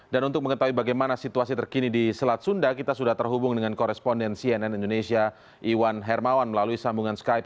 dan untuk mengetahui bagaimana situasi terkini di selat sunda kita sudah terhubung dengan korespondensi nn indonesia iwan hermawan melalui sambungan skype